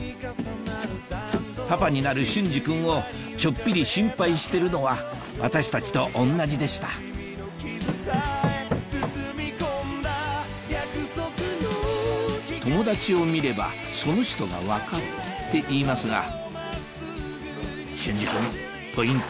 パパになる隼司君をちょっぴり心配してるのは私たちと同じでした友達を見ればその人が分かるっていいますが隼司君ポイント